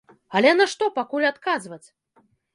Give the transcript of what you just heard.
Але на што пакуль адказваць?